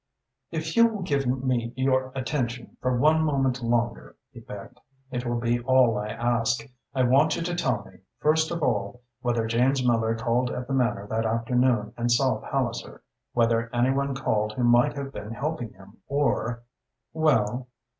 "If you will give me your attention for one moment longer," he begged, "it will be all I ask. I want you to tell me, first of all, whether James Miller called at the Manor that afternoon and saw Palliser, whether any one called who might have been helping him, or " "Well?"